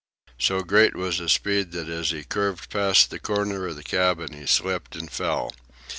So great was his speed that as he curved past the corner of the cabin he slipped and fell.